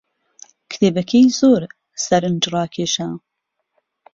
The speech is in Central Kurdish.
کتێبەکەی زۆر سەرنجڕاکێشە.